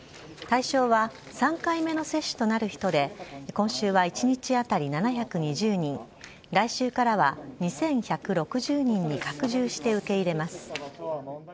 対象は、３回目の接種となる人で、今週は１日当たり７２０人、来週からは２１６０人に拡充して受け入れます。